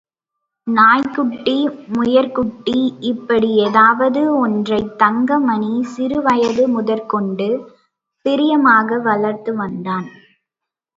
நாய்க்குட்டி, முயற்குட்டி இப்படி ஏதாவது ஒன்றைத் தங்கமணி சிறுவயது முதற்கொண்டு பிரியமாக வளர்த்து வந்தான்.